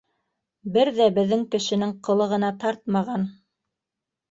Бер ҙә беҙҙең кешенең ҡылығына тартмаған.